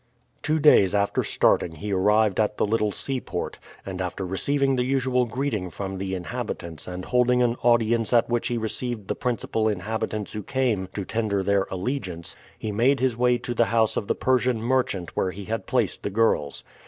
Two days after starting he arrived at the little seaport, and after receiving the usual greeting from the inhabitants and holding an audience at which he received the principal inhabitants who came to tender their allegiance, he made his way to the house of the Persian merchant where he had placed the girls.